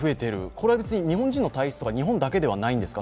これは別に日本人の体質とか日本だけじゃないんですか？